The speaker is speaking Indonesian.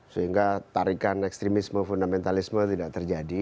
sehingga tarikan ekstremisme fundamentalisme tidak terjadi